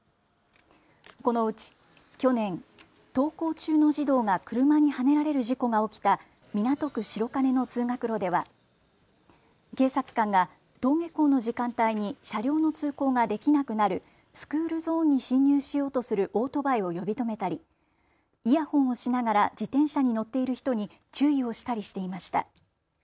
このうち去年、登校中の児童が車にはねられる事故が起きた港区白金の通学路では警察官が登下校の時間帯に車両の通行ができなくなるスクールゾーンに進入しようとするオートバイを呼び止めたりイヤホンをしながら自転車に乗っている人に注意をしたりしていました。